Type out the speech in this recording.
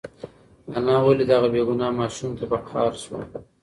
انا ولې دغه بېګناه ماشوم ته په قهر شوه؟